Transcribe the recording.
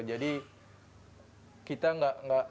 jadi kita enggak